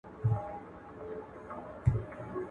زه به سبا مېوې خورم،